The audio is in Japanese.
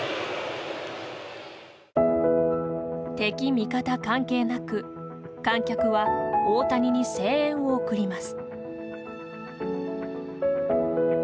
敵味方関係なく観客は大谷に声援を送ります。